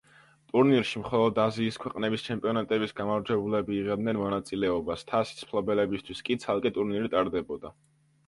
ტურნირში მხოლოდ აზიის ქვეყნების ჩემპიონატების გამარჯვებულები იღებდნენ მონაწილეობას, თასის მფლობელებისთვის კი ცალკე ტურნირი ტარდებოდა.